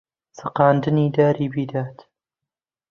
چەقاندی داری بێداد